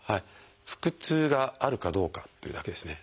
腹痛があるかどうかっていうだけですね。